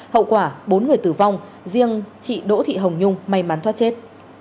hậu quả bốn người tử vong riêng chị đỗ thị hồng nhung may mắn thoát chết